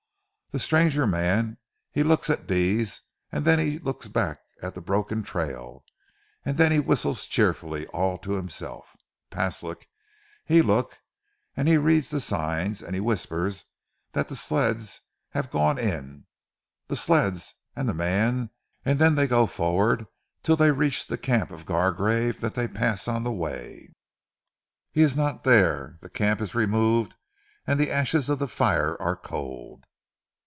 "Ze stranger mans he look at dese an' den he looks back at ze broken trail, an' den he whistle cheerfully all to himself. Paslik he look, an' he read ze signs, an' he whisper dat ze sleds hav' gone in, ze sleds an' ze mans, an' den dey go forward till dey reach ze camp of Gargrave dat dey pass on ze way. He is not dere, ze camp is remove, an' ze ashes of ze fire are cold.